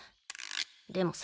でもさ。